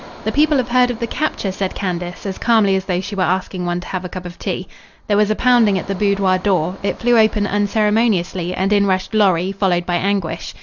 "The people have heard of the capture," said Candace, as calmly as though she were asking one to have a cup of tea. There was a pounding at the boudoir door. It flew open unceremoniously and in rushed Lorry, followed by Anguish.